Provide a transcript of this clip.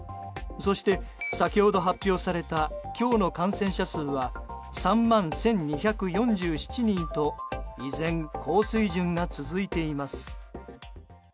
そして先ほど発表された今日の感染者数は３万１２４７人と依然、高水準が続いています。